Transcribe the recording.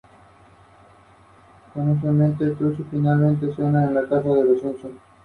Bana continuó de gira por todo el mundo, ampliando su proyección internacional.